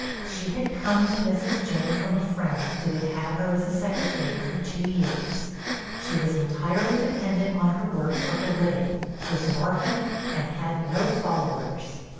She had come to Mrs. Janney from a friend who had had her as secretary for two years. She was entirely dependent on her work for her living, was an orphan, and had no followers.